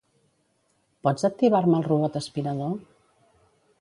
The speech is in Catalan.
Pots activar-me el robot aspirador?